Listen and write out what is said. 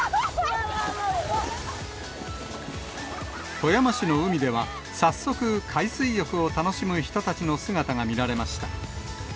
富山市の海では、早速、海水浴を楽しむ人たちの姿が見られました。